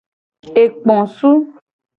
Ekposu.